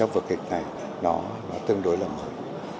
cái vở kịch này nó tương đối là mới